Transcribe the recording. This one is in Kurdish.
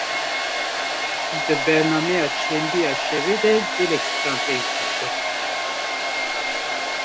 Di bernameya çandî ya şevê de gelek stranbêj cih girtin